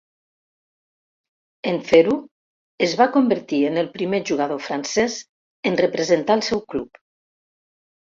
En fer-ho, es va convertir en el primer jugador francès en representar el seu club.